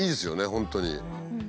本当に。